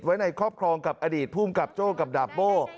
ไว้ในครอบครองกับอดีตภูมิกับโจ้กับดาบโบ้